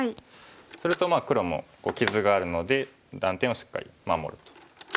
すると黒も傷があるので断点をしっかり守ると。